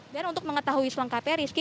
dan untuk mengetahui selengkapnya riski